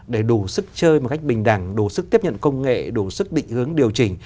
để đủ sức chơi một cách bình đẳng đủ sức tiếp nhận công nghệ đủ sức định hướng điều chỉnh